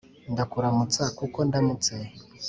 Ndakuramutsa kuko ndamutse